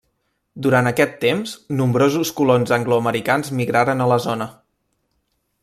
Durant aquest temps, nombrosos colons angloamericans migraren a la zona.